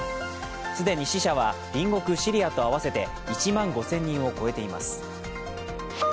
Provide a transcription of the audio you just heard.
既に死者は隣国シリアと合わせて１万５０００人を超えています。